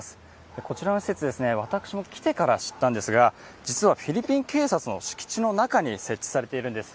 こちらの施設、私も来てから知ったんですが実は、フィリピン警察の敷地の中に設置されているんです。